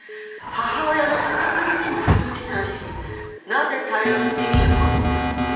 母親の自殺の線も腑に落ちないしなぜ大量の睡眠薬を飲んだのか？